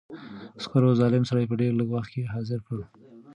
عسکرو ظالم سړی په ډېر لږ وخت کې حاضر کړ.